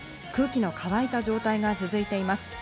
空気の乾いた状態が続いています。